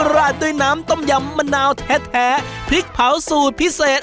ราดด้วยน้ำต้มยำมะนาวแท้พริกเผาสูตรพิเศษ